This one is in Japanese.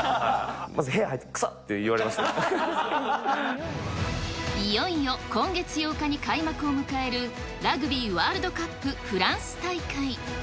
まず部屋入って、いよいよ今月８日に開幕を迎えるラグビーワールドカップフランス大会。